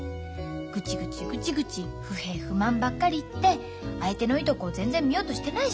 グチグチグチグチ不平不満ばっかり言って相手のいいとこ全然見ようとしてないじゃない。